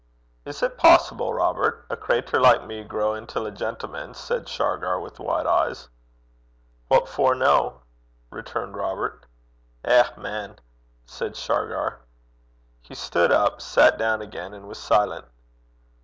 'Is 't poassible, Robert? A crater like me grow intil a gentleman?' said Shargar, with wide eyes. 'What for no?' returned Robert. 'Eh, man!' said Shargar. He stood up, sat down again, and was silent.